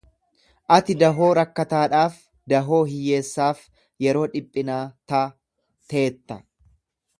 Ati dahoo rakkataadhaaf, dahoo hiyyeessaaf yeroo dhiphinaa ta'teetta.